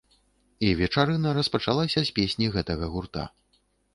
І вечарына распачалася з песні гэтага гурта.